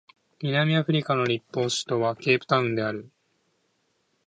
南アフリカの立法首都はケープタウンである